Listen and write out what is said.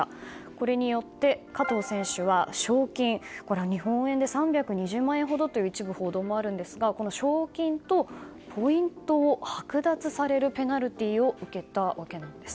これによって、加藤選手は賞金、これは日本円で３２０万円ほどという報道も一部あるんですが賞金と、ポイントをはく奪されるペナルティーを受けたわけなんです。